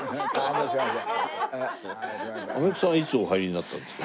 あめくさんはいつお入りになったんですか？